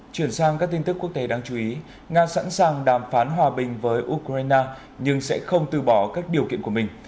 chuyển sang các tin tức quốc tế đáng chú ý nga sẵn sàng đàm phán hòa bình với ukraine nhưng sẽ không từ bỏ các điều kiện của mình